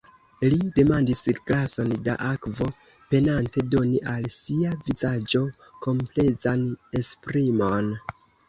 Li demandis glason da akvo, penante doni al sia vizaĝo komplezan esprimon.